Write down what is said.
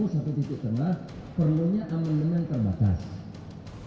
kita ketemu satu titik terakhir perlunya amandemen terbatas